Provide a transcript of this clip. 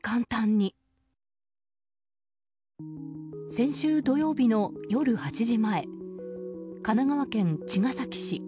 先週土曜日の夜８時前神奈川県茅ヶ崎市。